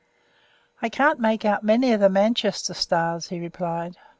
"I can't make out many of the Manchester stars," he replied.